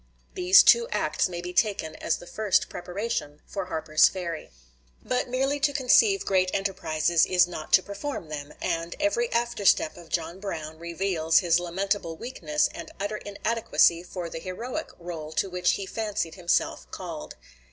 These two acts may be taken as the first preparation for Harper's Ferry. But merely to conceive great enterprises is not to perform them, and every after step of John Brown reveals his lamentable weakness and utter inadequacy for the heroic role to which he fancied himself called.